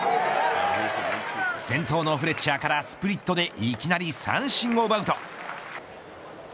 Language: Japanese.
先頭のフレッチャーからスプリットでいきなり三振を奪うと。